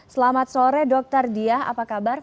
selamat sore dr diah apa kabar